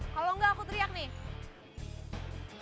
kalau enggak aku teriak nih